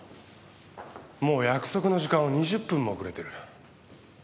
もう約束の時間を２０分も遅れてる。